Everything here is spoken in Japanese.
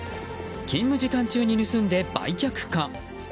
勤務時間中に盗んで売却か。